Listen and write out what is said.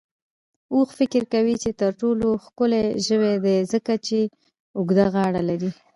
اوښ فکر کوي چې تر ټولو ښکلی ژوی دی، ځکه چې اوږده غاړه لري.